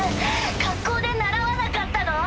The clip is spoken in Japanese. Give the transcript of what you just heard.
学校で習わなかったの？